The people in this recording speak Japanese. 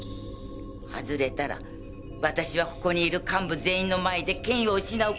外れたら私はここにいる幹部全員の前で権威を失う事になる。